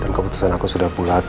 dan keputusan aku sudah bulat